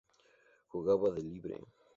Jugaba de libre.